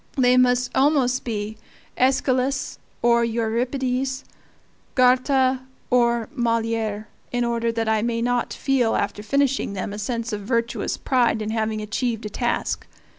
They must almost be AEschylus or Euripides, Goethe or Moliere, in order that I may not feel after finishing them a sense of virtuous pride in having achieved a task.